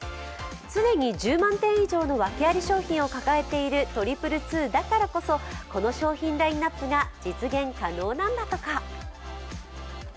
常に１０万点以上の訳あり商品を抱えている２２２だからこそこの商品ラインナップが実現可能なんだとか。